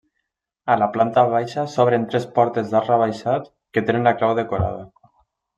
A la planta baixa s'obren tres portes d'arc rebaixat que tenen la clau decorada.